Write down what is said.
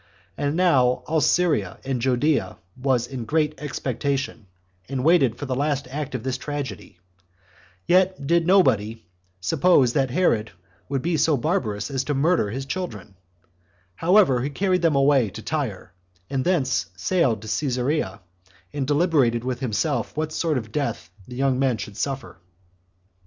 And now all Syria and Judea was in great expectation, and waited for the last act of this tragedy; yet did nobody, suppose that Herod would be so barbarous as to murder his children: however, he carried them away to Tyre, and thence sailed to Cesarea, and deliberated with himself what sort of death the young men should suffer.